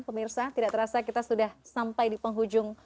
pemirsa tidak terasa kita sudah sampai di penghujung